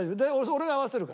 俺が合わせるから。